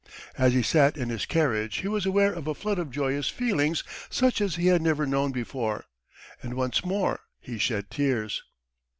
As he sat in his carriage he was aware of a flood of joyous feelings such as he had never known before, and once more he shed tears.